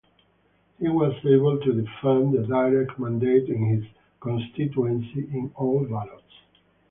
He was able to defend the direct mandate in his constituency in all ballots.